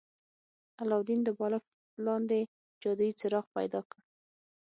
علاوالدین د بالښت لاندې جادويي څراغ پیدا کړ.